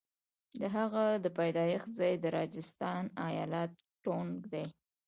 د هغه د پیدایښت ځای د راجستان ایالت ټونک دی.